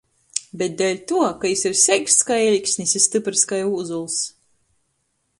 Bet deļtuo, ka jis ir seiksts kai eļksnis i styprys kai ūzuls.